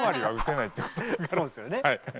そうですよね。